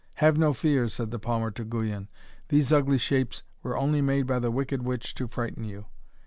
'Have no fear,' said the palmer to Guyon. 'These ugly shapes were only made by the wicked witch to frighten you.'